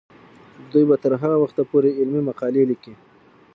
دوی به تر هغه وخته پورې علمي مقالې لیکي.